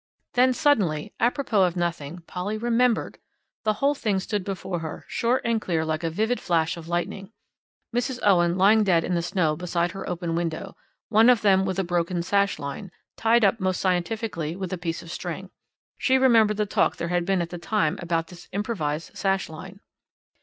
Then suddenly à propos of nothing, Polly remembered the whole thing stood before her, short and clear like a vivid flash of lightning: Mrs. Owen lying dead in the snow beside her open window; one of them with a broken sash line, tied up most scientifically with a piece of string. She remembered the talk there had been at the time about this improvised sash line.